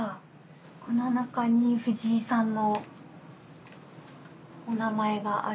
この中に藤井さんのお名前がある。